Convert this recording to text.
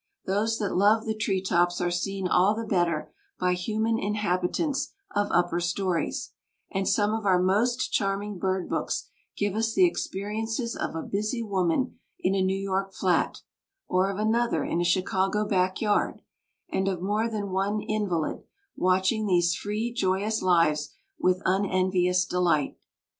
Those that love the tree tops are seen all the better by human inhabitants of upper stories, and some of our most charming bird books give us the experiences of a busy woman in a New York flat, or of another in a Chicago back yard, and of more than one invalid, watching these free, joyous lives with unenvious delight.